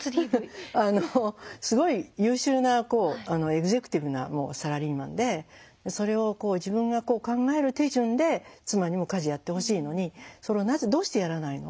すごい優秀なエグゼクティブなサラリーマンでそれを自分が考える手順で妻にも家事やってほしいのにそれを「なぜどうしてやらないの？